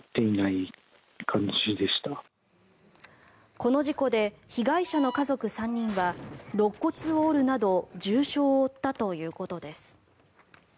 この事故で被害者の家族３人はろっ骨を折るなど重傷を負ったということです。